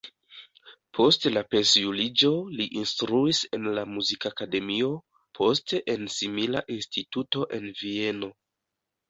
Post la pensiuliĝo li instruis en la Muzikakademio, poste en simila instituto en Vieno.